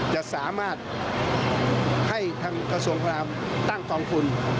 จะสามารถให้ทางกระทรวงพระรามตั้งกองทุน